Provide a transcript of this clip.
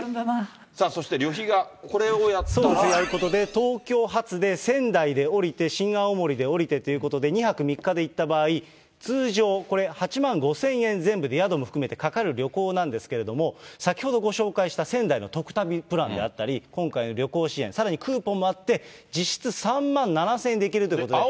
これをやることで、仙台で降りて、新青森で降りてということで、２泊３日で行った場合、通常これ、８万５０００円、全部で宿も含めてかかる旅行なんですけれども、先ほどご紹介した仙台のトク旅プランであったり、今回の旅行支援、さらにクーポンもあって、実質３万７０００円で行けるということで。